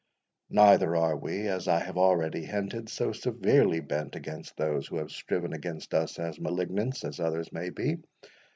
Neither are we, as I have already hinted, so severely bent against those who have striven against us as malignants, as others may be.